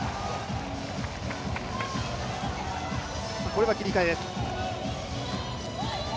これは切り替えです。